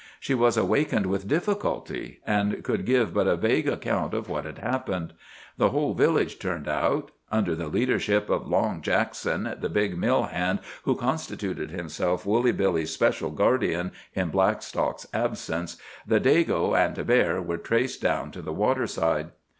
She was awakened with difficulty, and could give but a vague account of what had happened. The whole village turned out. Under the leadership of Long Jackson, the big mill hand who constituted himself Woolly Billy's special guardian in Blackstock's absence, the "Dago" and bear were traced down to the waterside.